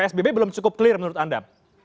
psbb belum cukup clear menurut anda